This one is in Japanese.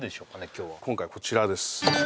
今日は今回こちらです